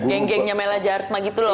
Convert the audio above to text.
geng gengnya melajar semua gitu loh